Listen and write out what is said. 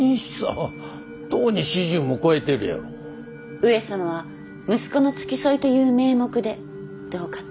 上様は息子の付き添いという名目でどうかと。